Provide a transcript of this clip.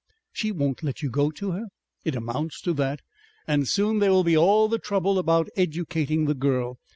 "She won't let you go to her?" "It amounts to that.... And soon there will be all the trouble about educating the girl.